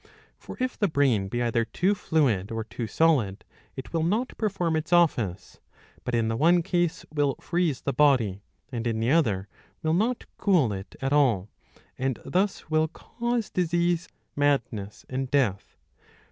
For if the brain be either too fluid or too solid, it will not perform its office, but in the one case will freeze the body, and in the other will not cool it at all ; and thus will cause disease, madness, and death.